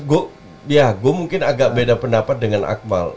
saya mungkin agak beda pendapat dengan akmal